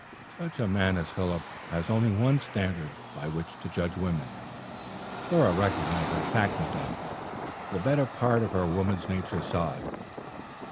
Such a man as Philip has only one standard by which to judge women. Laura recognized that fact no doubt. The better part of her woman's nature saw it.